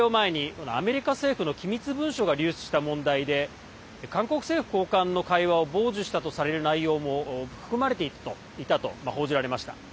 ただ、訪米を前にアメリカ政府の機密文書が流出した問題で韓国政府高官の会話を傍受したとされる内容も含まれていたと報じました。